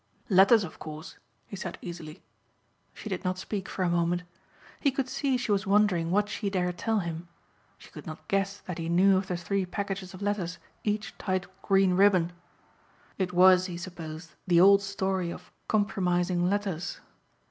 "Letters of course," he said easily. She did not speak for a moment. He could see she was wondering what she dare tell him. She could not guess that he knew of the three packages of letters each tied with green ribbon. It was, he supposed, the old story of compromising letters.